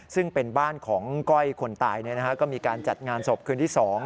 ซึ่งเป็นบ้านของก้อยคนตายก็มีการจัดงานศพคืนที่๒